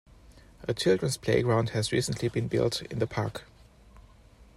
A children's playground has recently been built in the park.